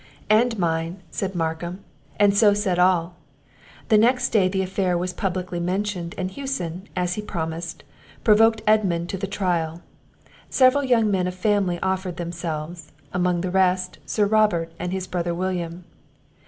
"And mine," said Markham; and so said all. The next day the affair was publicly mentioned; and Hewson, as he promised, provoked Edmund to the trial. Several young men of family offered themselves; among the rest, Sir Robert, and his brother William.